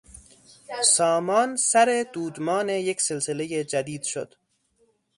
سامان سر دودمان یک سلسلهی جدید شد.